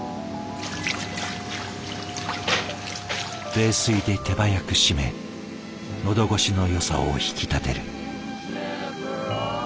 冷水で手早く締め喉越しのよさを引き立てる。